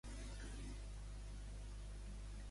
Deia que aquest pastís és molt bo, intenta'l fer!